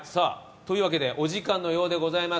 というわけでお時間のようでございます。